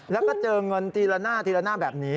แล้วก็เจอเงินทีละหน้าทีละหน้าแบบนี้